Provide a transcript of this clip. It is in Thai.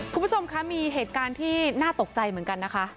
คุณผู้ชมคะมีเหตุการณ์ที่น่าตกใจเหมือนกันนะคะ